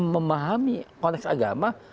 memahami konteks agama